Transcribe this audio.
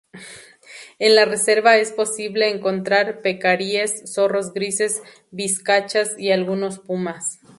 En la reserva es posible encontrar pecaríes, zorros grises, vizcachas y algunos pumas.